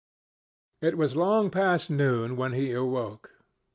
It was long past noon when he awoke.